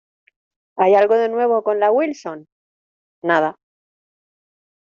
¿ hay algo de nuevo con la Wilson? nada.